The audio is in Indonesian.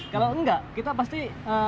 kalau nggak kita pasti